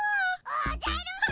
おじゃる丸！